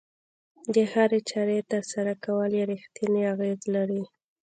د هرې چارې ترسره کول يې رېښتینی اغېز لري.